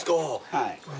はい。